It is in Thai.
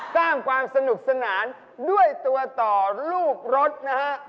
สร้างความสนุกสนานด้วยตัวต่อลูกรถนะฮะ